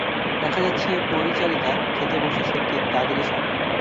দেখা যাচ্ছে, পরিচারিকা খেতে বসেছে ঠিক তাঁদের সঙ্গেই।